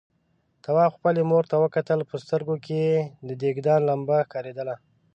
تواب خپلې مور ته وکتل، په سترګوکې يې د دېګدان لمبه ښکارېدله.